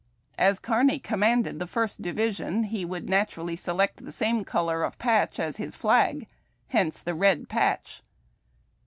As Kearny commanded the First Division, he would naturally select the same color of patch as his flag. Hence the red patch.